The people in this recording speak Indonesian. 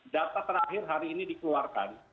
data terakhir hari ini dikeluarkan